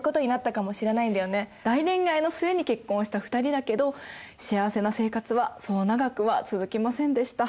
大恋愛の末に結婚した２人だけど幸せな生活はそう長くは続きませんでした。